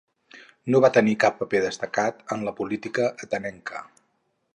No va tenir cap paper destacat en la política atenenca.